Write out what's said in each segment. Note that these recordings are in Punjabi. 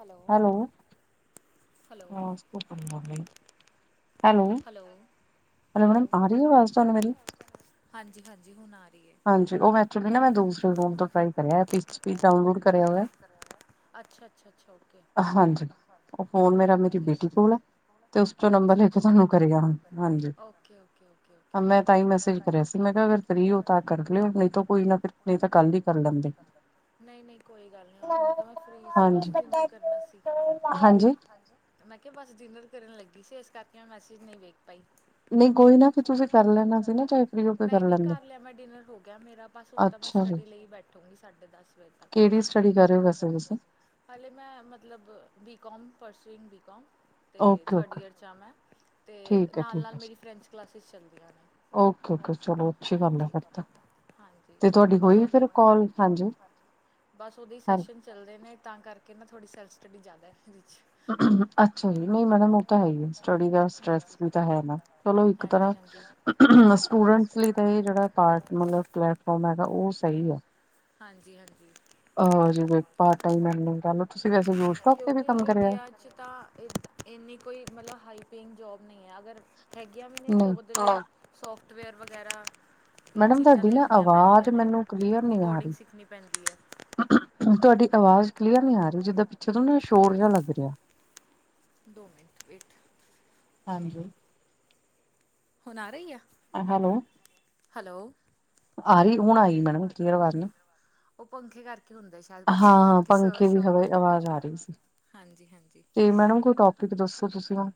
Hello hello hello hello hello hello hello ma'am ਆ ਰਹੀ ਆਵਾਜ਼ ਤੁਹਾਨੂੰ ਮੇਰੀ ਹਾਂਜੀ ਹਾਂਜੀ ਹੁਣ ਆ ਰਹੀ ਹੈ ਹਾਂਜੀ ਉਹ ਮੈਂ ਦੂਸਰੇ ਰੂਮ ਟਰਾਈ ਕਰ ਆਇਆ [unintelligible] ਕਰ ਆਇਆ ਅੱਛਾ ਅੱਛਾ ਅੱਛਾ ਓਕੇ ਹਾਂਜੀ ਫੋਨ ਮੇਰਾ ਠੀਕ ਮੇਰੀ ਹੈ ਠੀਕ ਬੇਟੀ ਕੋਲ ਹੈ ਤੇ ਉਸ ਤੋਂ ਨੰਬਰ ਅੱਛਾ ਲੈ ਕੇ ਅੱਛਾ ਤੁਹਾਨੂੰ ਕਰਿਆ ਹਾਂਜੀ ਓਕੇ ਓਕੇ ਓਕੇ ਓਕੇ ਮੈਂ ਤਾਂ ਹੀ ਮੈਸੇਜ ਕਰਿਆ ਸੀ ਮੈਂ ਕਿਹਾ ਫਰੀ ਹੋ ਤਾਂ ਕਰ ਲਿਓ ਨਹੀਂ ਤਾਂ ਕੋਈ ਨਾ ਫਿਰ ਨਹੀਂ ਤਾਂ ਕੱਲ ਹੀ ਕਰ ਲੈਂਦੇ ਨਹੀਂ ਨਹੀਂ ਕੋਈ ਗੱਲ ਨੀ ਹੁਣ ਤਾਂ ਮੈਂ ਫਰੀ ਸੀ ਬਸ ਹਾਂਜੀ ਜਿੰਨ ਕਰਨਾ ਸੀ ਹਾਂਜੀ ਮੈਂ ਕਿਹਾ ਬਸ ਡਿਨਰ ਕਰਨ ਲੱਗੀ ਸੀ ਇਸ ਕਰਕੇ ਮੈਂ ਮੈਸੇਜ ਨਹੀਂ ਵੇਖ ਪਾਈ ਨਾ ਨਹੀਂ ਫਿਰ ਕੋਈ ਗੱਲ ਤੁਸੀਂ ਲੈਣਾ ਕਰ ਸੀ ਨਾ ਲਿਆ ਚਾਹੇ ਫਰੀ ਹੋ ਸੀ ਕੇ ਨਹੀਂ ਨਹੀਂ ਲੈਂਦੇ ਕਰ ਲਿਆ ਮੈਂ ਡਿਨਰ ਹੋ ਗਿਆ ਮੇਰਾ ਬਸ ਹੁਣ ਤਾਂ ਮੈਂ ਅੱਛਾ ਜੀ ਸਟੱਡੀ ਲਈ ਬੈਠੂਗੀ ਸਾਢੇ ਦਸ ਵਜੇ ਤੱਕ ਬਸ ਕਿਹੜੀ ਰਹੇ ਹੋ ਸਟੱਡੀ ਕਰ ਵੈਸੇ ਬ ਤੁਸੀਂ ਹਾਲੇ ਮੈਂ ਮਤਲਬ ਬੀਕੋਮ ਪਰਸੂਇੰਗ ਬੀਕੋਮ ਤੇ ਓਕੇ ਥਰਡ ਓਕੇ ਈਅਰ 'ਚ ਆ ਮੈਂ ਅਤੇ ਠੀਕ ਹੈ ਨਾਲ ਠੀਕ ਨਾਲ ਹੈ ਮੇਰੀ ਫਰੈਂਚ ਕਲਾਸਿਸ ਚੱਲਦੀਆਂ ਨੇ ਓਕੇ ਓਕੇ ਚਲੋ ਅੱਛੀ ਗੱਲ ਹੈ ਹਾਂਜੀ ਫਿਰ ਹਾਂਜੀ ਤਾਂ ਤੁਹਾਡੀ ਬਸ ਹੋਈ ਉਹਦੇ ਫਿਰ ਕੋਲ ਹਾਂਜੀ ਬਸ ਉਹਦੇ ਹੀ ਹੈ ਸੈਸ਼ਨ ਚੱਲਦੇ ਨੇ ਤਾਂ ਕਰਕੇ ਨਾ ਤੁਹਾਡੀ ਸੈਲਫ ਸਟੱਡੀ ਜ਼ਿਆਦਾ ਇਹਦੇ 'ਚ ਅੱਛਾ ਜੀ ਨਹੀਂ ਮੈਡਮ ਉਹ ਤਾਂ ਹੈ ਹੀ ਸਟਡੀ ਦਾ ਸਸ ਵੀ ਤਾਂ ਹੈ ਨਾ ਚਲੋ ਇੱਕ ਥੋੜ੍ਹਾ ਜਿਹਾ ਇਸ ਤਰ੍ਹਾਂ ਸਟੂਡੈਂਟਸ ਲਈ ਤਾਂ ਇਹ ਜਿਹੜਾ ਪਾਰਟ ਮਤਲਬ ਪਲੈਟਫਾਰਮ ਹੈਗਾ ਉਹ ਸਹੀ ਹੈ ਹਾਂਜੀ ਹਾਂਜੀ ਆ ਪਾਰਟ ਟਾਈਮਰ ਤੁਸੀਂ ਵੈਸੇ ਯੂ ਟੋਕ ਤੇ ਕਿਉਂਕਿ ਕੰਮ ਕਰਿਆ ਇੰਡੀਆ 'ਚ ਤਾਂ ਇੰਨੀ ਕੋਈ ਮਤਲਬ ਹਾਈ ਪੇਇੰਗ ਜੋਬ ਨਹੀਂ ਹੈ ਅਗਰ ਹੈਗੀਆਂ ਵੀ ਨੇ ਨਹੀਂ ਉਰ ਸੋਫਟਵੇਅਰ ਵਗੈਰਾ ਇਹ ਮੈਡਮ ਚੀਜ਼ਾਂ ਤੁਹਾਡੀ ਨਾ ਦੇਖਣੀਆਂ ਆਵਾਜ਼ ਪੈਂਦੀਆਂ ਨੇ ਮੈਨੂੰ ਕਲੀਅਰ ਨਹੀਂ ਆ ਕੋਡਿੰਗ ਰਹੀ ਸਿੱਖਣੀ ਪੈਂਦੀ ਹੈ ਤੁਹਾਡੀ ਆਵਾਜ਼ ਕਲੀਅਰ ਨੀ ਆ ਰਹੀ ਜਿੱਦਾਂ ਪਿੱਛੇ ਤੋਂ ਸ਼ੋਰ ਜਿਹਾ ਲੱਗ ਰਿਹਾ ਦੋ ਮਿੰਟ ਵੇਟ ਹਾਂਜੀ ਹੁਣ ਆ ਰਹੀ ਆ ਹੈਲੋ ਹੈਲੋ ਆ ਰਹੀ ਹੁਣ ਆਈ ਮੈਡਮ ਕਲੀਅਰ ਆਵਾਜ਼ ਨਾ ਉਹ ਪਖੇ ਕਰਕੇ ਹੁੰਦੇ ਸ਼ਾਇਦ ਹਾਂ ਪਖੇ ਕਰ ਹਾਂ ਪੰਖੇ ਦੀ ਹਵਾ ਆਵਾਜ਼ ਆ ਰਹੀ ਸੀ ਹਾਂਜੀ ਹਾਂਜੀ ਇਹ ਮੈਡਮ ਕੋਈ ਟੋਪਿਕ ਦੱਸੋ ਤੁਸੀਂ ਹੁਣ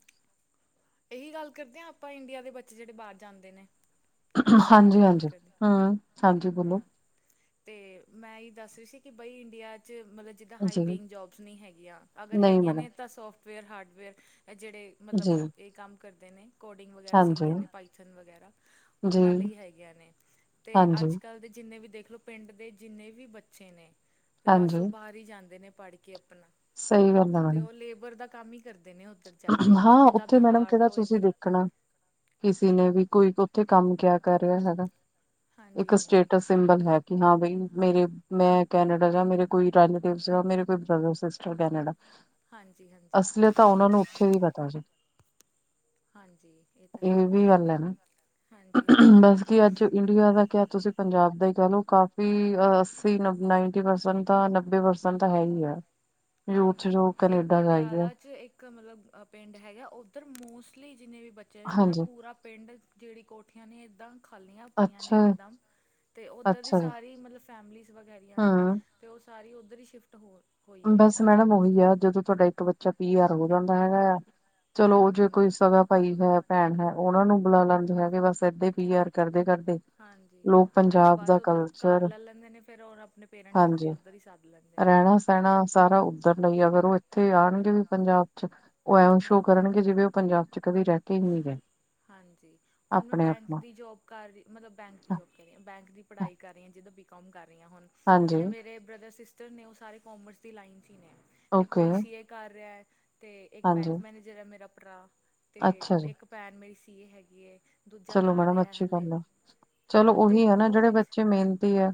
ਇਹੀ ਗੱਲ ਕਰਦੇ ਹਾਂ ਆਪਾਂ ਇੰਡੀਆ ਦੇ ਬੱਚੇ ਜਿਹੜੇ ਬਾਹਰ ਜਾਂਦੇ ਨੇ ਉਸ ਬਾਰੇ ਗੱਲ ਕਰਦੇ ਹਾਂ ਹਾਂਜੀ ਬੋਲੋ। ਹਾਂ ਤੇ ਮੈਂ ਇਹ ਦੱਸ ਰਹੀ ਸੀ ਕਿ ਬਈ ਇੰਡੀਆ ਚ ਮਤਲਬ ਜਿੱਦਾਂ ਜੀ ਹਾਈਪੇਇੰਗ ਜੋਬਸ ਨਹੀਂ ਹੈਗੀਆਂ ਅਗਰ ਨਹੀਂ ਹੈਗੀਆਂ ਮੈਡਮ ਨੇ ਤਾਂ ਸੋਫਟਵੇਅਰ ਹਾਰਡਵੇਅਰ ਜਿਹੜੇ ਮਤਲਬ ਜੀ ਇਹ ਕੰਮ ਕਰਦੇ ਨੇ ਕੋਡਿੰਗ ਵਗੈਰਾ ਹਾਂਜੀ ਸਿੱਖਦੇ ਨੇ ਪਾਈਥਨ ਵਗੈਰਾ ਜੀ ਉਹਨਾਂ ਲਈ ਹੈਗੀਆਂ ਨੇ ਤੇ ਹਾਂਜੀ ਅੱਜ ਦੇ ਜਿੰਨੇ ਵੀ ਦੇਖਲਓ ਪਿੰਡ ਦੇ ਜਿੰਨੇ ਵੀ ਬੱਚੇ ਨੇ ਤੇ ਬਸ ਹਾਂਜੀ ਉਹ ਬਾਹਰ ਹੀ ਜਾਂਦੇ ਨੇ ਪੜ ਕੇ ਆਪਣਾ ਸਹੀ ਗੱਲ ਆ ਤੇ ਉਹ ਲੇਬਰ ਦਾ ਕੰਮ ਹੀ ਕਰਦੇ ਨੇ ਉੱਧਰ ਜਾ ਕੇ ਹਾਂ ਜਿੱਦਾਂ ਉੱਥੇ ਮੈਡਮ ਬਿਹਾਰ ਕਿਹੜਾ ਤੋਂ ਤੁਸੀਂ ਇੱਧਰ ਦੇਖਣਾ ਕਿਸੇ ਨੇ ਵੀ ਕੋਈ ਉੱਥੇ ਕੰਮ ਕਿਆ ਕਰ ਰਿਹਾ ਜਿਆਦਾ ਹਾਂਜੀ ਇੱਕ ਹਾਂਜੀ ਸਟੇਟਸ ਸਿੰਬਲ ਹੈਗਾ ਕਿ ਹਾਂ ਬਈ ਮੇਰੇ ਮੈਂ ਕੈਨੇਡਾ ਜਾਂ ਮੇਰੇ ਕੋਈ ਰੈਨਟਿਵ ਜਾਂ ਮੇਰੇ ਬ੍ਰਦਰ ਸਿਸਟਰ ਕੈਨੇਡਾ ਹਾਂਜੀ ਹਾਂਜੀ ਠੀਕ ਹੈ ਫਿਰ ਹਾਂਜੀ ਇਹ ਤਾਂ ਹੈ ਹਾਂਜੀ ਹਾਂਜੀ ਜ ਅੱਜ ਇੰਡੀਆ ਦਾ ਕ ਤੁਸੀਂ ਪੰਜਾਬ ਦਾ ਹੀ ਕਹਿ ਲਓ ਕਾਫੀ ਅ ਅੱਸੀ ਨ ਨਾਇਨਟੀ ਪਰਸੈਂਟ ਤਾਂ ਨੱਬੇ ਪਰਸੈਂ ਤਾਂ ਹੈ ਹੀ ਆ ਹਾਂਜੀ ਇੱਕ ਗਿਆ ਪਟਿਆਲਾ ਚ ਇੱਕ ਇੱਕ ਮਤਲਬ ਪਿੰਡ ਹੈਗਾ ਉੱਧਰ ਮੋਸਟਲੀ ਜਿੰਨੇ ਵੀ ਬੱਚੇ ਨੇ ਮਤਲਬ ਹਾਂਜੀ ਪੂਰਾ ਪਿੰਡ ਜਿਹੜੀ ਕੋਠੀਆਂ ਨੇ ਇਏਦਾਂ ਖਾਲੀਆਂ ਪਈਆਂ ਨੇ ਅੱਛਾ ਇਕਦਮ ਤੇ ਉੱਧਰ ਦੀ ਅੱਛਾ ਜੀ ਸਾਰੀ ਮਤਲਬ ਫੈਮਲੀ ਵਗੈਰੀਆਂ ਨੇ ਹਮ ਤੇ ਉਹ ਸਾਰੀ ਉੱਧਰ ਹੀ ਸ਼ਿਫਟ ਹੋ ਹੋਈ ਹੋਈ ਬਸ ਮੈਡਮ ਉਹੀ ਆ ਜਦੋਂ ਤੁਹਾਡਾ ਇੱਕ ਬੱਚਾ ਪੀ ਆਰ ਹੋ ਜਾਂਦਾ ਹੈਗਾ ਆ ਚਲੋ ਉਹ ਜੇ ਕੋਈ ਹਾਂਜੀ। ਸਗਾ ਭਾਈ ਹੈ ਭੈਣ ਹੈ ਉਹਨਾ ਨੂੰ ਬੁਲਾ ਲੈਂਦੇ ਹੈ ਕਿ ਬਸ ਏਧੇ ਪੀ ਆਰ ਕਰਦੇ ਕਰਦੇ ਹਾਂਜੀ ਲੋਕ ਉਹ ਪੰਜਾਬ ਬਸ ਦਾ ਉੱਧਰ ਘਰ ਕਲਚਰ ਲੈ ਲੈਂਦੇ ਨੇ ਫੇਰ ਉਹ ਆਪਣੇ ਪੇਰੈਂਟਸ ਨੂੰ ਹਾਂਜੀ ਵੀ ਉੱਧਰ ਹੀ ਸੱਦ ਲੈਂਦੇ ਨੇ ਰਹਿਣਾ ਸਾਰਾ ਉੱਧਰ ਲਈ ਅਗਰ ਉਹ ਇੱਥੇ ਆਉਣਗੇ ਵੀ ਪੰਜਾਬ ਚ ਉਹ ਐਂ ਸ਼ੋਅ ਹਾਂਜੀ। ਕਰਨਗੇ ਜਿਵੇਂ ਉਹ ਪੰਜਾਬ ਚ ਕਦੇ ਰਹਿ ਕੇ ਹੀ ਨਹੀਂ ਰਹੇ ਹਾਂਜੀ ਹੁਣ ਮੈਂ ਬੈਂਕ ਦੀ ਜੋਬ ਘਰ ਮਤਲਬ ਬੈਂਕ ਦੀ ਜੋਬ ਕਰ ਰਹੀ ਹਾਂ ਬੈਂਕ ਦੀ ਪੜ੍ਹਾਈ ਕਰ ਰਹੀ ਹਾਂ ਜਿੱਦਾਂ ਬੀਕੋਮ ਰਹੀ ਹਾਂ ਹੁਣ ਹਾਂਜੀ ਜਿਨੇ ਮੇਰੇ ਬ੍ਰਦਰ ਸਿਸਟਰ ਨੇ ਉਹ ਸਾਰੇ ਕਾਮਰਸ ਦੀ ਲਾਈਨ ਚ ਹੀ ਨੇ ਤੇ ਓਕੇ ਕੋਈ ਸੀ ਕਰ ਰਿਹਾ ਹੈ ਤੇ ਇੱਕ ਹਾਂਜੀ ਬੈਂਕ ਮੈਨੇਜਰ ਹੈ ਮੇਰਾ ਭਰਾ ਤੇ ਅੱਛਾ ਜੀ ਇੱਕ ਭੈਣ ਮੇਰੀ ਸੀ ਏ ਹਗੀ ਚਲੋ ਮੈਡਮ ਅੱਛੀ ਗੱਲ ਹੈ ਚਲੋ ਹਾਂ ਉਹੀ ਅਤੇ ਹੈ ਨਾ ਜਿਹੜੇ ਉਹਦੇ 'ਚ ਬੱਚੇ ਮੇਹਨਤੀ ਹੈ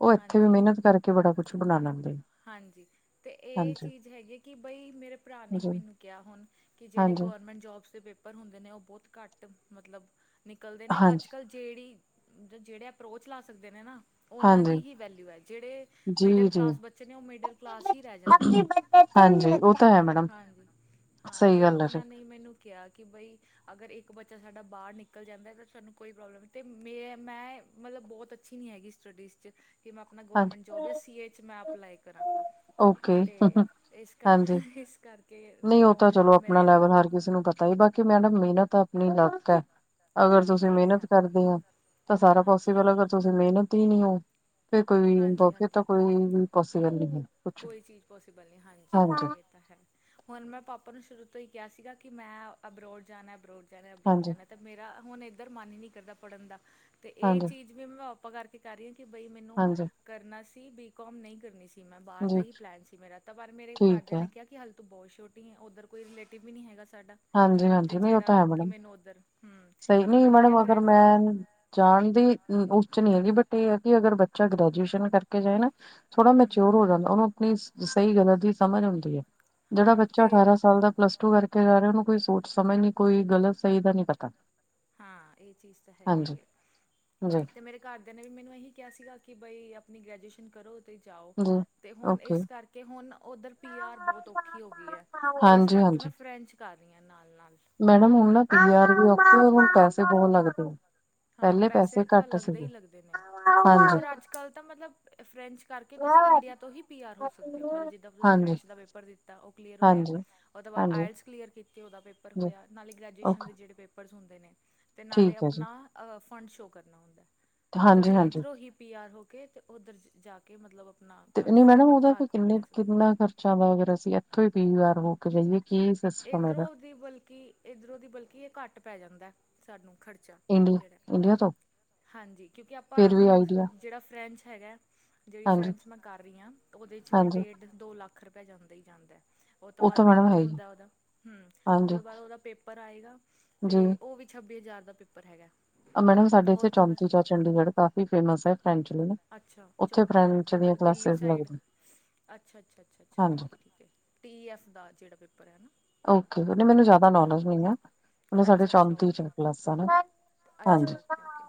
ਉਹ ਇੱਥੇ ਵੀ ਹਾਂਜੀ। ਮਿਹਨਤ ਕਰਕੇ ਬੜਾ ਕੁਛ ਬਣਾ ਲੈਂਦੇ ਹਾਂਜੀ ਤੇ ਇਹ ਹਾਂਜੀ ਚੀਜ਼ ਹੈਗੀ ਕਿ ਬਈ ਮੇਰੇ ਭਰਾ ਨੇ ਜੀ ਮੈਨੂੰ ਕਿਹਾ ਹੁਣ ਕਿ ਜਿਹੜੇ ਹਾਂਜੀ ਗ ਟ ਜੋਬ ਦੇ ਪੇਪਰ ਹੁੰਦੇ ਉਹ ਬਹੁਤ ਘੱਟ ਮਤਲਬ ਨਿਕਲਦੇ ਨੇ ਅੱਜ ਹਾਂਜੀ ਕ੍ਹ ਜਿਹੜੀ ਜਿਹੜੇ ਅਪਰੋਚ ਲਾ ਸਕਦੇ ਨੇ ਨਾ ਉਹਨਾਂ ਦੀ ਹਾਂਜੀ ਹੀ ਵੈਲਊ ਹੈ ਜਿਹੜੇ ਜੀ ਮਿਡਲ ਜੀ ਕਲਾਸ ਬੇ ਬੱਚੇ ਨੇ ਉਹ ਮਿਡਲ ਕਲਾਸ ਹੀ ਰਹਿ ਜਾਂਦੇ ਨੇ ਹਾਂਜੀ ਉਹ ਤਾਂ ਹੈ ਮੈਡਮ ਹਾਂਜੀ ਹਾਂ ਸਹੀ ਤੇ ਗੱਲ ਹੈ ਜੀ ਉਹਨਾਂ ਨੇ ਮੈਨੂੰ ਕਿਹਾ ਕਿ ਬਈ ਅਗਰ ਇੱਕ ਬੱਚਾ ਸਾਡਾ ਬਾਹਰ ਨਿਕਲ ਜਾਂਦਾ ਤਾਂ ਸਾਨੂੰ ਕੋਈ ਪ੍ਰੋਬਲਮ ਨਹੀਂ ਤੇ ਮੇ ਮੈਂ ਮਤਲਬ ਬਹੁਤ ਅੱਛੀ ਨਹੀਂ ਹੈਗੀ ਸਟੱਡੀਜ਼ ' ਕਿ ਮੈਂ ਆਪਣਾ ਹਾਂਜੀ ਗੌਰਮੈਂਟ ਜੋਬ ਸੀ ਏ ' ਮੈਂ ਆਪ ਅਪਲਾਈ ਕਰਾਂ ਓਕੇ ਤੇ ਇਸ ਕਰ ਹਾਂਜੀ ਇਸ ਕਰ ਨਹੀਂ ਉਹ ਤਾਂ ਚਲੋ ਆਪਣਾ ਲੈਵਲ ਹਰ ਕਿਸੇ ਨੂੰ ਪਤਾ ਹੀ ਬਾਕੀ ਮਿਹਨਤ ਆਪਣੀ ਲੱਕ ਹੈ। ਅਗਰ ਹਾਂ ਤੁਸੀਂ ਇਹ ਤਾਂ ਮਿਹਨਤ ਹੈ ਕਰਦੇ ਹੋ ਤਾਂ ਸਾਰਾ ਹਾਂਜੀ ਪੋਸੀਬਲ ਹਾਂਜੀ ਅਗਰ ਤੁਸੀਂ ਮਿਹਨਤ ਹੀ ਨਹੀਂ ਫਿਰ ਕੋਈ ਹਾਂਜੀ ਫਿਰ ਤਾਂ ਹਾਂਜੀ ਕੋਈ ਵੀ ਪੋਸੀਬਲ ਨਹੀਂ ਹੈ। ਕੁਛ ਕੋਈ ਚੀਜ਼ ਪੋਸੀਬਲ ਨਹੀਂ ਹਾਂਜੀ, ਹਾਂਜੀ ਇਹ ਤਾਂ ਹੈ। ਹੁਣ ਮੈਂ ਪਾਪਾ ਨੂੰ ਸ਼ੁਰੂ ਤੋਂ ਈ ਕਿਹਾ ਸੀਗਾ ਕਿ ਮੈਂ ਅਬਰੋਡ ਜਾਣਾ, ਅਬਰੋਡ ਜਾਣਾ, ਅਬਰੋਡ ਹਾਂਜੀ ਜਾਣਾ। ਤੇ ਮੇਰਾ ਹੁਣ ਏਧਰ ਮਨ ਨੀ ਕਰਦਾ ਪੜ੍ਹਨ ਦਾ ਤੇ ਇਹ ਹਾਂਜੀ ਚੀਜ਼ ਵੀ ਮੈਂ ਪਾਪਾ ਕਰਕੇ ਕਰ ਰਹੀ ਆ ਕਿ ਬਈ ਮੈਨੂੰ ਹਾਂਜੀ ਕਰਨਾ ਸੀ ਬੀ ਕੋਮ ਨਹੀਂ ਕਰਨੀ ਸੀ ਮੈਂ ਜੀ ਏਹੀ ਪਲੈਨ ਸੀ ਮੇਰਾ ਤਾਂ ਪਰ ਮੇਰੇ ਠੀਕ ਘਰਦਿਆਂ ਹੈ ਨੇ ਕਿਹਾ ਕਿ ਹੱਲੇ ਤੂੰ ਬਹੁਤ ਛੋਟੀ ਏ। ਉੱਧਰ ਕੋਈ ਰਿਲੇਟਿਵ ਵੀ ਨੀ ਹੈਗਾ ਸਾਡਾ ਹਾਂਜੀ, ਤੇ ਹਾਂਜੀ ਨਹੀਂ ਉਹ ਤਾਂ ਜਿਹੜਾ ਹੈ ਕਿ ਮੈਡਮ ਮੈਨੂੰ ਉੱਧਰ ਹਮ ਸਹੀ ਤੇ ਉਹਨਾਂ ਨਹੀਂ ਨੇ ਕਿਹਾ ਮੈਡਮ ਅਗਰ ਗ੍ਰੈਜੂਏਸ਼ ਮੈਂ ਜਾਣ ਦੀ ਉੱਚ ਨੀ ਹੈਗੀ ਬਟ ਇਹ ਹੈ ਕਿ ਅਗਰ ਬੱਚਾ ਗ੍ਰੈਜੂਏਸ਼ਨ ਕਰਕੇ ਜਾਏ ਨਾ ਥੋੜਾ ਨਾ ਹਮ ਹਮ ਮਚਿਓਰ ਹੋ ਜਾਂਦਾ ਉਹਨੂੰ ਆਪਣੀ ਸਹੀ ਗਲਤ ਦੀ ਸਮਝ ਆਉਂਦੀ ਹੈ ਜਿਹੜਾ ਹਾਂ ਬੱਚਾ ਤੇ ਅਠਾਰਾਂ ਸਾਲ ਦਾ ਪਲੱਸ ਇਕੋਂ ਕਰਕੇ ਜਾ ਰਹੇ ਉਹਨੂੰ ਕੋਈ ਸੋਚ ਸਮਝ ਨੀ ਕੋਈ ਗ਼ਲਤ ਸਹੀ ਦਾ ਨੀ ਪਤਾ ਹਾਂ ਇਹ ਚੀਜ਼ ਤਾਂ ਹਾਂਜੀ ਹੈਗੀ ਹੈ ਜੀ ਤੇ ਮੇਰੇ ਘਰਦਿਆਂ ਨੇ ਵੀ ਮੈਨੂੰ ਇਹੀ ਕਿਹਾ ਸੀਗਾ ਕਿ ਬਈ ਆਪਣੀ ਗ੍ਰੈਜੂਏਸ਼ਨ ਕਰੋ ਤੇ ਜਾਓ ਜੀ ਤੇ ਹੁਣ ਓਕੇ। ਇਸ ਕਰਕੇ ਹੁਣ ਉੱਧਰ ਪੀ ਆਰ ਬਹੁਤ ਔਖੀ ਹੋ ਗਈ ਹੈ। ਤੇ ਇਸ ਹਾਂਜੀ ਕਰਕੇ ਮੈਂ ਹਾਂਜੀ ਫਰੈਂਚ ਕਰ ਰਹੀਆ ਨਾਲ, ਨਾਲ ਮੈਡਮ ਹੁਣ ਨਾ ਪੀ ਆਰ ਵੀ ਔਖੀ ਹੁਣ ਪੈਸੇ ਬਹੁਤ ਲੱਗਦੇ ਹਾਂ ਪਹਿਲੇ ਪੈਸੇ ਤਾਂ ਘੱਟ ਲੱਗਦੇ ਈ ਸੀਗੇ ਲੱਗਦੇ ਨੇ। ਹਾਂਜੀ ਔਰ ਅੱਜ ਕੱਲ ਤਾਂ ਮਤਲਬ ਫ਼੍ਰੇਂਚ ਕਰਕੇ ਤੁਸੀਂ ਇੰਡੀਆ ਤੋਂ ਹੀ ਪੀ ਆਰ ਹੋ ਸਕਦੇ ਹੋ ਮਤਲਬ ਜਿੱਦਾਂ ਤੁਸੀਂ ਹਾਂਜੀ ਫ਼੍ਰੇਂਚ ਦਾ ਪੇਪਰ ਪੇਪਰ ਦਿੱਤਾ ਉਹ ਕਲੀਅਰ ਹੋਯਾ ਹਾਂਜੀ ਉਹ ਤੋ ਬਾਦ ਹਾਂਜੀ ਆਇਲਟਸ ਕਲੀਅਰ ਕਿ ਤੇ ਓਦਾ ਪੇਪਰ ਜੀ ਹੋਇਆ ਨਾਲੇ ਗ੍ਰੈਜੂਏਸ਼ਨ ਓਕੇ ਦੇ ਜੇੜੇ ਪੇਪਰਸ ਹੁੰਦੇ ਨੇ ਤੇ ਨਾਲੇ ਠੀਕ ਹੈ ਜੀ। ਆਪਣਾ ਅ ਫੰਡ ਸ਼ੋਅ ਕਰਨਾ ਹੁੰਦਾ ਤੇ ਹਾਂਜੀ ਤੁਸੀਂ ਹਾਂਜੀ ਇੱਧਰੋਂ ਹੀ ਪੀ ਆਰ ਹੋ ਕੇ ਅਤੇ ਉੱਧਰ ਜਾ ਕੇ ਕਿ ਮਤਲਬ ਆਪਣਾ ਕਰ ਸਕਦੇ ਔ ਘਰ ਕੋਈ ਮਿਲਾ ਤੇ ਅਛਾ ਅਗਰ ਅਗਰ ਅਸੀਂ ਇੱਥੋਂ ਹੀ ਪੀ ਆਰ ਹੋ ਕੇ ਜਾਈਏ ਕਿ ਇਧਰੋਂ ਦੀ ਬਲਕਿ ਇਧਰੋਂ ਦੀ ਬਲਕਿ ਇਹ ਘੱਟ ਪੈ ਜਾਂਦਾ। ਸਾਨੂੰ ਖਰਚਾ ਇੰਡੀਆ ਜੇੜਾ ਇੰਡੀਆ ਤੋਂ ਹਾਂਜੀ ਕਿਉਂਕਿ ਆਪਾਂ ਫਿਰ ਵੀ ਮੌੋਸ ਆਈਡੀਆ ਜੇੜਾ ਫਰੈਂਚ ਹੈਗਾ ਜਿਹੜੀ ਹਾਂਜੀ ਫਰੈਂਚ ਮੈਂ ਕਰ ਰਹੀ ਹਾਂ ਉਹਦੇ 'ਚ ਵੀ ਹਾਂਜੀ ਡੇਟ ਦੋ ਲੱਖ ਰੁਪਆ ਜਾਂਦਾ ਹੀ ਜਾਂਦਾ ਉਹ ਤੋਂ ਬਾਅਦ ਤਾਂ ਮੈਡਮ ਪੇਪਰ ਹੈ ਹੀ ਹੁੰਦਾ ਉਹਦਾ ਹਮ ਉਹ ਹਾਂਜੀ ਤੋਂ ਬਾਅਦ ਉਹਦਾ ਪੇਪਰ ਆਏਗਾ ਜੀ ਤੇ ਉਹ ਵੀ ਛੱਬੀ ਹਜ਼ਾਰ ਦਾ ਪੇਪਰ ਹੈਗਾ। ਐਹ ਮੈਡਮ ਸਾਡੇ ਉਹ ਇੱਥੇ ਤੋਂ ਚੌਤੀ ਬਾਅਦ ਚ ਚੰਡੀਗੜ੍ਹ ਕਾਫੀ ਫੇਮਸ ਹੈ ਫ਼੍ਰੇਂਚ [unintelligible] ਅੱਛਾ ਚੌਂਤੀ ਦਾ ਓਧਰ ਦਿੱਲੀ ਸਾਈਡ ਲੱਗਦੀਆਂ ਅੱਛਾ, ਅੱਛਾ, ਅੱਛਾ, ਅਛਾ ਹਾਂਜੀ ਠੀਕ ਹੈ ਠੀਕ ਹੈ। ਟੀ ਐੱਫ ਦਾ ਜੇੜਾ ਪੇਪਰ ਹੈ ਨਾ ਓ ਕੇ ਬੇਟੇ ਮੈਨੂੰ ਜਿਆਦਾ ਨੋਲੇਜ ਨਹੀਂ ਨਾਂ ਉਰੇ ਸਾਡੇ ਅੱਛਾ ਅੱਛਾ ਚੌਂਤੀ ਚ ਓਕੇ ਨੇ ਕਲਾਸਾ ਅੱਛਾ ਓਕੇ, ਓਕੇ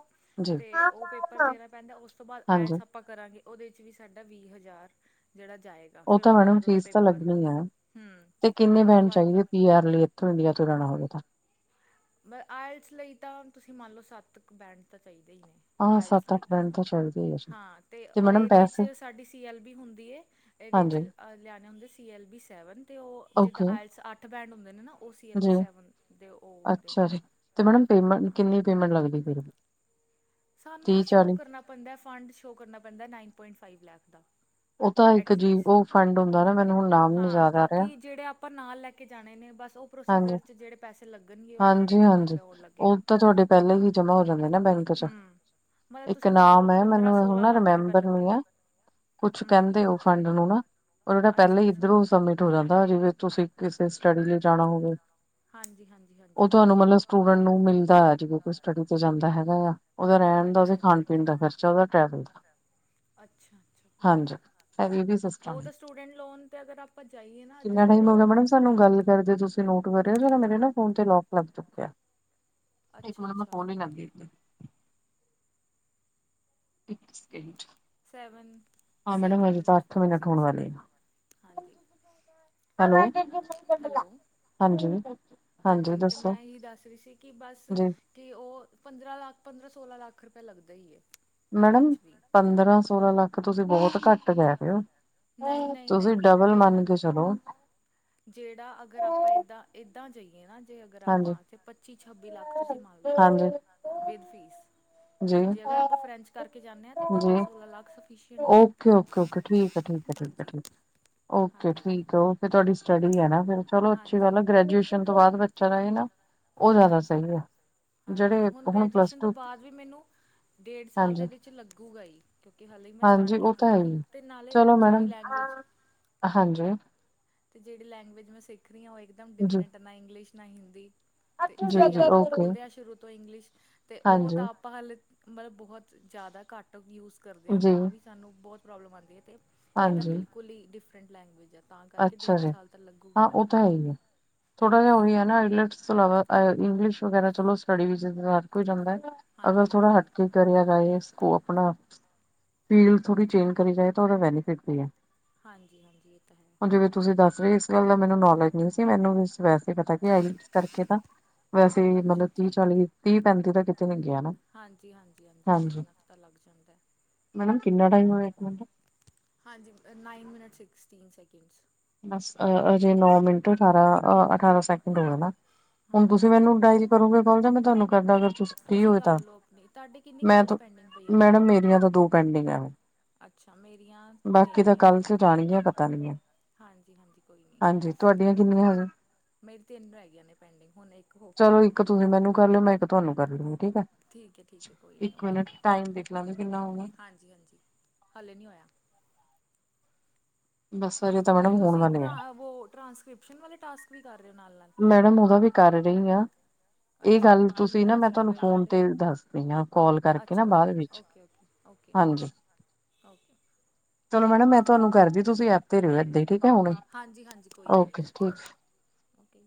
ਤੇ ਉਹ ਪੇਪਰ ਦੇਣਾ ਪੈਂਦਾ ਉਸ ਤੋਂ ਬਾਅਦ ਆਇਲ ਹਾਂਜੀ ਸ ਆਪਾਂ ਕਰਾਂਗੇ ਉਹਦੇ 'ਚ ਵੀ ਸਾਡਾ ਵੀਹ ਹਜ਼ਾਰ ਜਿਹੜਾ ਜਾਏਗਾ। ਉਹ ਫਿਰ ਤਾਂ ਉਸ ਤੋਂ ਮੈਡਮ ਬਾਅਦ ਉਹਦਾ ਫੀਸ ਤਾਂ ਪੇਪਰ ਲੱਗਣੀ ਹੈ ਹਮ ਤੇ ਕਿੰਨੇ ਉਸ ਤੋਂ ਬੈਂਡ ਬਾਅਦ ਚਾਹੀਦੇ ਉਹਦਾ ਪੀ ਆਰ ਲਈ ਇੱਥੋਂ ਇੰਡੀਆ ਤੋਂ ਲੈਣਾ ਹੋਵੇ ਤਾ ਆਇਲਸ ਲਈ ਤਾਂ ਤੁਸੀਂ ਮੰਨ ਲਓ ਸੱਤ ਕੁ ਬੈਂਡ ਤਾਂ ਚਾਹੀਦਾ ਹੀ ਨੇ ਹਾਂ ਆਇਲਸ ਸੱਤ ਲਈ ਅੱਠ ਬੈਡ ਤੇ ਚਾ ਹਾਂ ਤੇ ਇਹਦੇ 'ਚ ਸਾਡੀ ਸੀ ਐੱਲ ਬੀ ਹੁੰਦੀ ਏ ਇਹਦੇ ਵਿਚ ਹਾਂਜੀ ਲਿਆਣੇ ਹੁੰਦੇ ਸੀ ਐੱਲ ਬੀ ਸੈਵਨ ਤੇ ਉਹ ਜਿੱਦਾਂ ਓਕੇ ਆਇਲਸ ਅੱਠ ਬੈਂਡ ਹੁੰਦੇ ਨੇ ਨਾ ਉਹ ਸੀ ਐਲ ਬੀ ਸੈਵਨ ਦੇ ਉਹ ਅਛਾ ਨੇ ਜੀ ਤੇ ਮੈਡਮ ਪੇਮੈਂਟ ਕਿੰਨੀ ਪੇਮੈਂਟ ਲੱਗਦੀ ਏ? ਸਾਨੂੰ ਸ਼ੋਅ ਕਰਨਾ ਪੈਂਦਾ ਫੰਡ ਸ਼ੋਅ ਕਰਨਾ ਪੈਂਦਾ ਨਾਈਨ ਪੁਆਇੰਟ ਫਾਈਵ ਲੈਖ ਦਾ ਉਹ ਤਾਂ ਇੱਕ ਜੀ ਐਟਲੀਸਟ ਉਹ ਫੰਡ ਹੁੰਦਾ ਨਾ ਮੈਨੂੰ ਹੁਣ ਨਾਮ ਨੀ ਹਾਂ ਯਾਦ ਆ ਰਿਹਾ ਬਾਕੀ ਜੇੜੇ ਆਪ ਆਪਾਂ ਨਾਲ ਲੈ ਕੇ ਜਾਣੇ ਨੇ ਬਸ ਉਹ ਹਾਂਜੀ ਪ੍ਰੋਸੀਜਰ ਚ ਜੇੜੇ ਪੈਸੇ ਲੱਗਣਗੇ ਉਹ ਦੋ ਹਾਂਜੀ ਤਿੰਨ ਲੱਖ ਹਾਂਜੀ ਰੁਪਯਾ ਓਹ ਉਹ ਲੱਗੇਗਾ। ਤਾਂ ਤੁਹਾਡੇ ਪਹਿਲੇ ਵੀ ਜਮ੍ਹਾਂ ਹੋ ਜਾਂਦੇ ਨਾ ਬੈਂਕ ਹਮ ਮਤਲਬ ਇੱਕ ਤੁਸੀਂ ਮੰਨ ਲਓ ਨਾਮ ਹੈ ਪੰਦਰਾਂ ਮੈਨੂੰ ਹੁਨ ਸੋਲਾਂ ਨਾ ਲੱਖ ਰੁਪਇਆ ਰੀਮੈਂਬਰ ਨੀ ਲੱਗੇਗਾ ਹੈ। ਕੁਛ ਹਮ ਹਮ ਕਹਿੰਦੇ ਉਹ ਫੰਡ ਨੂੰ ਨਾ ਉਹਨਾਂ ਨੇ ਪਹਿਲਾਂ ਅੱਛਾ ਈ ਅੱਛਾ ਇੱਧਰੋਂ ਸਬਟ ਹੋ ਜਾਂਦਾ ਜਿਵੇਂ ਤੁਸੀਂ ਕਿਸੇ ਸਟੱਡੀ ਲਈ ਜਾਣਾ ਹੋਵੇ ਹਾਂਜੀ ਹਾਂਜੀ ਉਹ ਹਾਂਜੀ ਤੁਹਾਨੂੰ ਮਤਲਬ ਸਟੂਡੈਂਟ ਨੂੰ ਮਿਲਦਾ ਹੈ ਜਿਵੇ ਕੋਈ ਸਟੱਡੀ ਤੇ ਜਾਂਦਾ ਹੈਗਾ ਆ, ਉਹਦਾ ਰਹਿਣ ਦਾ ਵੀ ਅੱਛਾ ਅੱਛਾ ਖਾਣ ਪੀਣ ਦਾ ਖਰਚਾ ਉਹਦਾ ਟਰੈਵਲ ਦਾ। ਅੱਛਾ ਅੱਛਾ ਓਕੇ ਹਾਂਜੀ ਇਹ ਵੀ ਸਿਸਟਮ ਉਹ ਹੈ ਤਾਂ ਸਟੂਡੈਂਟ ਲੋਨ ਤੇ ਅਗਰ ਆਪ ਆਪਾਂ ਜਾਈਏ ਨਾ ਤੇ ਕਿੰਨਾ ਫੇਰ ਟਾਈਮ ਹੋ ਗਿਆ ਉਹ ਮੈਡਮ ਸਾਨੂੰ ਗੱਲ ਕਰਦੇ ਤੁਸੀਂ ਨੋਟ ਕਰਿ ਹੋ ਮੇਰੇ ਨਾ ਫੋਨ ਤੇ ਲੋਕ ਲੱਗ ਚੁੱਕਿਆ ਇੱਕ ਅੱਛਾ ਮਿੰਟ ਮੈਂ ਅੱਛਾ ਫੋਨ ਨੀ ਲੱ [unintelligible] ਇੱਕ second seven seven minute forty minute ਹੋਣ ਸਿਕਸ ਵਾਲੇ ਸੈਕਿੰਡ ਆ। ਹਾਂਜੀ ਹੈਲੋ ਹਾਂਜੀ। ਹੈਲੋ ਹਾਂਜੀ ਤੇ ਮੈਂ ਇਹੀ ਦੱਸ ਰਹੀ ਸੀ ਕਿ ਬਸ, ਜੀ ਤੇ ਉਹ ਪੰਦਰਾਂ ਲੱਖ ਪੰਦਰਾਂ ਸੋਲਾਂ ਲੱਖ ਰੁਪਇਆ ਲੱਗਦਾ ਹੀ ਏ। ਮੈਡਮ ਪੰਦਰਾਂ ਸੋਲਾਂ ਲੱਖ ਤੁਸੀਂ ਬਹੁਤ ਘੱਟ ਕਹਿ ਰਹੇ ਨਹੀਂ ਹੋ ਨਹੀਂ ਤੁਸੀਂ ਨਹੀਂ ਡਬਲ ਮੰਨ ਕੇ ਚਲੋ ਜੇੜਾ ਅਗਰ ਆਪਾਂ ਏਦਾਂ ਏਦਾਂ ਜਾਈਏ ਨਾ ਜੇ ਅਗਰ ਹਾਂਜੀ ਆਪਾਂ ਤੇ ਪੱਚੀ ਛੱਬੀ ਲੱਖ ਤੁਸੀਂ ਮੰਨ ਲਓ ਹਾਂਜੀ ਵਿਦ ਫੀਸ ਜੀ ਜੇ ਅਗਰ ਆਪਾਂ ਫਰੈਂਚ ਕਰਕੇ ਜਾਂਨੇ ਆਂ ਤੇ ਪੰਦਰਾਂ ਜੀ ਸੋਲਾਂ ਲੱਖ ਸਫੀਸ਼ਟ ਹੈ। ਓਕੇ ਓਕੇ ਓਕੇ ਠੀਕ ਹੈ ਠੀਕ ਹੈ ਠੀਕ ਹਾਂਜੀ ਹੈ ਓਕੇ ਹਾਂਜੀ ਠੀਕ ਹੈ ਉਹ ਤੇ ਤੁਵਾਡੀ ਸਟਡੀ ਵੀ ਹੈ ਨਾ ਫੇਰ, ਚਲੋ ਅੱਛੀ ਗੱਲ ਹਾਂਜੀ ਆ ਗ੍ਰਜੂਏਸ਼ਨ ਤੋਂ ਬਾਅਦ ਬੱਚਾ ਜਾਏ ਨਾ ਉਹ ਜ਼ਿਆਦਾ ਹਾਂਜੀ ਸਹੀ ਹੈ। ਜੇੜੇ ਹੁਣ ਪਲੱਸ ਟੂ ਬਈ ਮੈਨੂੰ ਡੇਢ ਸਾਲ ਤਾਂ ਹਾਂਜੀ ਇਹਦੇ ਚ ਲੱਗੂਗਾ ਹੀ। ਕਿਉਂਕਿ ਹਾਲੇ ਮੈਂ ਸਟਾਰਟ ਹਾਂਜੀ ਉਹ ਕੀਤੀ ਤਾਂ ਆਂ ਹੈ ਨੇ ਹੀ ਅਤੇ ਨਾਲੇ ਚਲੋ ਜਿਹੜੀ ਮੈਡਮ ਲੈਂਗੁਏਜ ਹਾਂਜੀ ਅਤੇ ਜਿਹੜੀ ਲੈਂਗੁਏਜ ਮੈਂ ਸਿੱਖ ਰਹੀ ਹਾਂ ਉਹ ਇੱਕਦਮ ਜੀ ਡਿਫਰੈਂਟ ਨਾ ਇੰਗਲਿਸ਼ ਨਾ ਹਿੰਦੀ ਅਤੇ ਜੀ ਜਿਹੜੀ ਜੀ ਆਪਾਂ ਓਕੇ ਬੋਲਦੇ ਹਾਂ ਸ਼ੁਰੂ ਤੋਂ ਇੰਗਲਿਸ਼ ਅਤੇ ਉਹ ਹਾਂਜੀ ਤਾਂ ਪਲ ਮਤਲਬ ਬਹੁਤ ਜ਼ਿਆਦਾ ਘੱਟ ਯੂਜ਼ ਕਰਦੇ ਹਾਂ ਜੀ ਤਾਂ ਵੀ ਸਾਨੂੰ ਬਹੁਤ ਪ੍ਰੋਬਲਮ ਆਉਂਦੀ ਹੈ ਅਤੇ ਇਹ ਤਾਂ ਹਾਂਜੀ ਬਿਲਕੁਲ ਈ ਡਿਫਰੈਂਟ ਲੈਂਗੁਏਜ ਹੈ ਤਾਂ ਕਰਕੇ ਅੱਛਾ ਡੇਢ ਜੀ ਸਾਲ ਤਾਂ ਲੱਗੂਗਾ ਹਾਂ ਹੀ ਉਹ ਤਾਂ ਹੈ ਹੀ ਹੈ ਥੋੜਾ ਜਹਾ ਹਾਂਜੀ ਉਹੀ ਹੈ ਨਾ ਆਈੈਲੈਟਸ ਇਸ ਤੋਂ ਇਲਾਵਾ ਇੰਗਲਿਸ਼ ਵਗੈਰਾ ਚਲੋ ਸਟੱਡੀ ਵਿੱਚ ਹਰ ਕੋਈ ਜਾਂਦਾ ਹੈ ਅਗਰ ਹਾਂਜੀ ਥੋੜਾ ਹਾਂਜੀ ਹਟਕੇ ਕਰਿਆ ਜਾਏ ਇਸ ਕੋ ਆਪਣਾ ਫੀਲਡ ਥੋੜੀ ਚੇਂਜ ਕਰੀ ਜਾਏ ਤਾਂ ਉਹਦਾ ਬੈਨੀਫਿਟ ਵੀ ਹੈ ਹਾਂਜੀ ਹਾਂਜੀ ਇਹ ਤਾਂ ਹੈ ਹੁਣ ਜਿਵੇਂ ਤੁਸੀਂ ਦੱਸ ਰਹੇ ਇਸ ਗੱਲ ਦਾ ਮੈਨੂੰ ਨੌਲੇਜ ਨਹੀਂ ਸੀ ਮੈਨੂੰ ਵੈਸੇ ਪਤਾ ਕਿ ਹੈ ਇਸ ਕਰਕੇ ਤਾਂ ਵੈਸੇ ਅੱਛਾ ਮਤਲਬ ਤੀਹ ਅੱਛਾ ਚਾਲੀ ਤੀਹ ਪੈਂਤੀ ਦਾ ਕਿਤੇ ਨ ਗਿਆ ਨਾ ਹਾਂਜੀ ਹਾਂਜੀ ਇੰਨਾ ਕੁ ਤਾ ਲੱਗ ਜਾਂਦਾ ਮੈਮ ਕਿੰਨੇ ਟਾਈਮ ਹੋਇਆ ਮਿੰ ਹਾਂਜੀ ਨਾਈਨ ਮਿੰਨਟ ਸਿਕਸਟੀਨ ਸੈਕਿੰਡਸ ਬਸ ਅ ਹਜੇ ਨੋ ਮਿੰਟ ਅਠਾਰਾਂ ਅਠਾਰਾਂ ਸੈਕਿੰਡ ਹੋਏ ਨਾ ਹੁਣ ਹਾਂਜੀ ਤੁਸੀਂ ਮੈਨੂੰ ਡਾਇਰੀ ਕਰੋਗੇ ਕਲ ਜਾਂ ਮੈਂ ਤੁਹਾਨੂੰ ਕਰਦਾ ਅਗਰ ਤੁਸੀਂ ਫਰੀ ਹੋਏ ਤਾਂ ਕਰ ਲਓ ਆਪਣੀ ਤੁਹਾਡੇ ਕਿੰਨੀ ਮੈਂ ਕੋਲਸ ਤਾਂ ਪੈਂਡਿੰਗ ਪਈਆਂ ਨੇ ਮੈਡਮ ਮੇਰੀਆਂ ਤਾਂ ਦੋ ਪੈਂਡਿੰਗ ਐ ਅੱਛਾ ਮੇਰੀਆਂ ਤਿੰਨ ਬਾਕੀ ਤਾਂ ਨੇ ਕੱਲ ਹੁਣ ਚ ਜਾਣੀ ਹੈ ਪਤਾ ਨੀ ਐ ਹਾਂਜੀ ਹਾਂਜੀ ਕੋਈ ਨਹੀ ਤੁਹਾਡੀਆਂ ਕਿੰਨੀਆਂ ਹਜ ਮੇਰੀ ਤਿੰਨ ਰਹਿ ਗਈ ਨੇ ਪੈਂਡਿੰਗ ਹੁਣ ਇੱਕ ਹੋ ਕੇ ਚਲੋ ਇੱਕ ਤੁਸੀਂ ਮੈਨੂੰ ਕਰ ਲਿਓ ਮੈਂ ਇੱਕ ਤੁਹਾਨੂੰ ਕਰ ਲੂੰਗੀ ਠੀਕ ਏ ਠੀਕ ਹੈ ਠੀਕ ਹੈ ਕੋਈ ਨਹੀਂ ਇੱਕ ਓਕੇ ਮਿੰਟ ਟਾਈਮ ਦੇਖ ਲਾਂਦੇ ਕਿੰਨਾ ਹੋਇਆ ਹਾਂਜੀ ਹਾਂਜੀ ਹਾਲੇ ਨਈ ਹੋਇਆ ਬਸ ਉਹ ਤਾਂ ਤੇ ਮੈਡਮ ਹੋਣ ਤੁਸੀਂ ਵਾਲਾ ਈ ਐ ਭਰਾ ਵੋ ਟਰਾਂਸਕ੍ਰਿਪਸ਼ਨ ਵਾਲੇ ਟਾਸਕ ਵੀ ਕਰ ਰਹੇ ਹੋ ਨਾਲ ਨਾਲ [unintelligible] ਮੈਡਮ ਉਹਦਾ ਵੀ ਕਰ ਰਹੀ ਆਂ ਇਹ ਗੱਲ ਅੱਛਾ ਕਿੰਨੇ ਤੁਸੀਂ ਨਾ ਮੈਂ ਟਾਸਕ ਹੋ ਤੁਹਾਨੂੰ ਗਏ ਫੋਨ ਤੁਹਾਡੇ ਤੇ ਦੱਸਦੀ ਹਾਂ ਕੋਲ ਕਰਕੇ ਅੱਛਾ ਨਾ ਓਕੇ ਬਾਅਦ ਵਿੱਚ ਓਕੇ ਓਕੇ ਓਕੇ ਹਾਂਜੀ ਓਕੇ ਚਲੋ ਮੈਡਮ ਮੈਂ ਤੁਹਾਨੂੰ ਕਰਦੀ ਤੁਸੀਂ ਐ ਤੇ ਰਹੇਓ ਏਦਾਂ ਠੀਕ ਹੈ ਹੁਣੇ ਹਾਂਜੀ ਹਾਂਜੀ ਕੋਈ ਗੱਲ ਓਕੇ ਨਹੀਂ ਠੀਕ ਓਕੇ